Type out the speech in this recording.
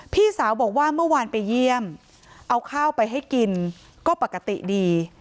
พี่สาวบอกว่าเมื่อวานไปเยี่ยมเอาข้าวไปให้กินก็ปกติดี